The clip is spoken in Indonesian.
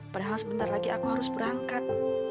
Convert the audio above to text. padahal sebentar lagi aku harus berangkat